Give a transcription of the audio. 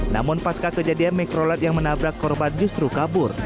namun pasca kejadian mikrolet yang menabrak korban justru kabur